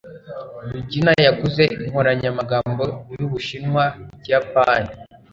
Rugina yaguze inkoranyamagambo y'Ubushinwa-Ikiyapani.